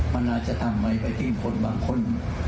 มันอาจจะทำอะไรไปที่คนบางคน